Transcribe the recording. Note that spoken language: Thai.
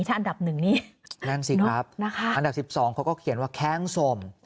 ถ้าอันดับ๑นี่นั่นสิครับอันดับ๑๒เขาก็เขียนว่าแค้งสม